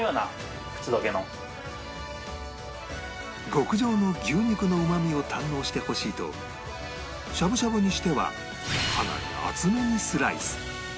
極上の牛肉のうまみを堪能してほしいとしゃぶしゃぶにしてはかなり厚めにスライス